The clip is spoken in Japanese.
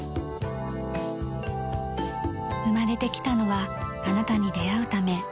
「生まれてきたのはあなたに出うため」